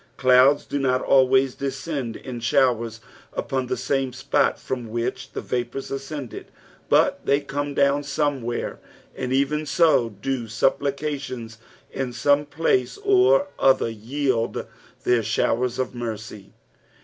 Clouds do not always descend in showers upon the same spot from which the vapours ascended, but they come down somewhere ; and even so do snpplica tions in some place or other jisid their showers of mercy.